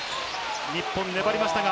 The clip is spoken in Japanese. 日本、粘りましたが。